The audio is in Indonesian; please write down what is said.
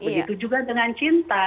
begitu juga dengan cinta